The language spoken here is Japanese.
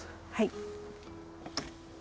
はい。